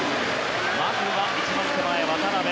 まずは一番手前、渡辺。